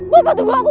bopo tunggu aku bopo